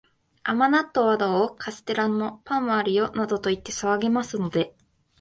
甘納豆はどう？カステラも、パンもあるよ、などと言って騒ぎますので、